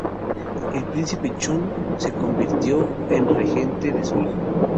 El príncipe Chun se convirtió en regente de su hijo.